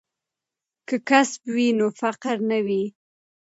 که کسب وي نو فقر نه وي.